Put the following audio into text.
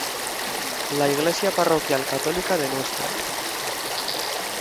La iglesia parroquial católica de Ntra.